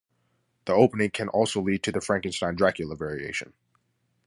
The opening can also lead to the Frankenstein-Dracula Variation.